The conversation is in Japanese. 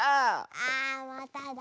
あまただ。